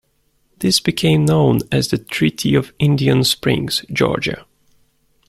This became known as the Treaty of Indian Springs, Georgia.